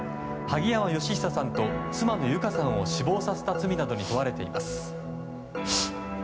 萩山嘉久さんと妻の友香さんを死亡させた罪などに問われています。